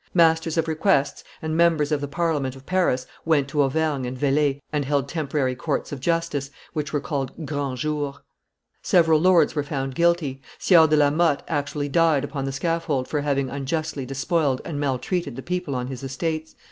Masters of requests and members of the Parliament of Paris went to Auvergne and Velay and held temporary courts of justice, which were called grands jours. Several lords were found guilty; Sieur de la Mothe actually died upon the scaffold for having unjustly despoiled and maltreated the people on his estates.